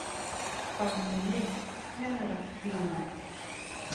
ตอนนี้ น่ารักดี